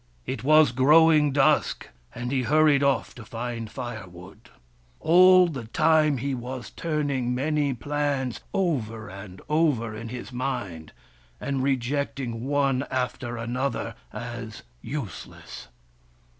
It was growing dusk, and he hurried off to find firewood. All the time, he was turning many plans over and over in his mind, and rejecting one after another as useless.